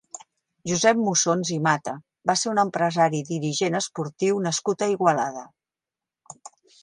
Josep Mussons i Mata va ser un empresari i dirigent esportiu nascut a Igualada.